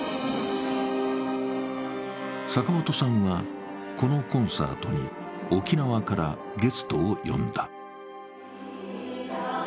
坂本さんは、このコンサートに沖縄からゲストを呼んだ。